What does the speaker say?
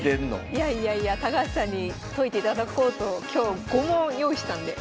いやいやいや高橋さんに解いていただこうと今日５問用意したんで。